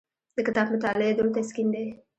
د کتاب مطالعه د روح تسکین دی.